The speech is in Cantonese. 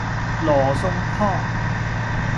羅宋湯